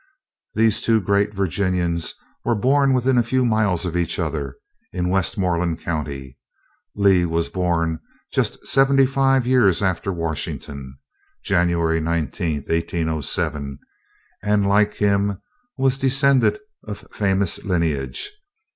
These two greatest Virginians were born within a few miles of each other, in Westmoreland County. Lee was born just seventy five years after Washington, (January 19, 1807) and like him was descended of famous lineage.